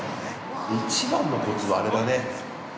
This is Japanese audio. ◆一番のコツは、あれだね